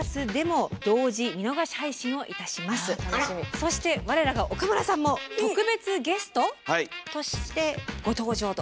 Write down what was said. そして我らが岡村さんも特別ゲスト？としてご登場と。